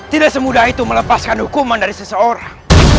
tidak semudah itu melepaskan hukuman dari seseorang